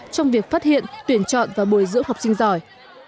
trong việc phát hiện tuyển chọn và bồi dưỡng học sinh giỏi